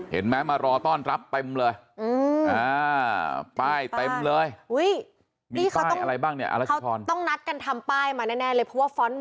เห็นมั้ยมารอต้อนรับเต็มเลย